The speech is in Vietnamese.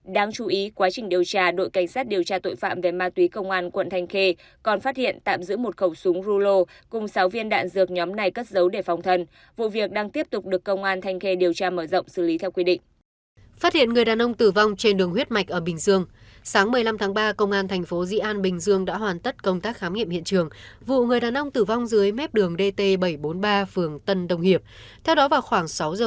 căn cứ thông tin tài liệu và lời khai ban đầu đội cảnh sát điều tra tội phạm về ma túy công an quận thanh khê thực hiện lệnh tạm giữ kiên hồ hiếu phong và trần hoàng phong để tiếp tục điều tra làm rõ